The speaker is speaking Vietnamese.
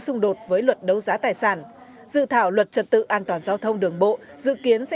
xung đột với luật đấu giá tài sản dự thảo luật trật tự an toàn giao thông đường bộ dự kiến sẽ